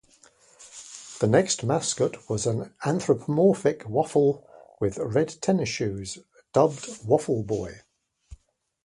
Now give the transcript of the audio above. The next mascot was an anthropomorphic waffle with red tennis shoes dubbed "Waffle Boy".